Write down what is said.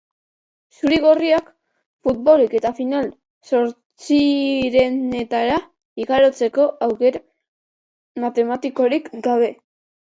Zuri-gorriak, futbolik eta final-zortzirenetara igarotzeko aukera matematikorik gabe.